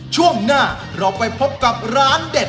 ช่วงหน้าเราไปพบกับร้านเด็ด